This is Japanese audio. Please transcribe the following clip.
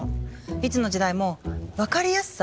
いつの時代も分かりやすさ？